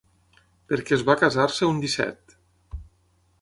Perquè es va casar-se un disset.